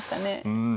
うん。